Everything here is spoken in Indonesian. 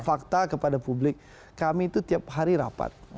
fakta kepada publik kami itu tiap hari rapat